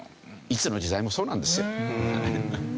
いつの時代もそうなんですよ。